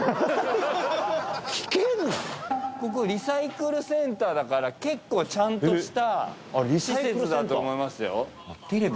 ここリサイクルセンターだから結構ちゃんとした施設だと思いますよ。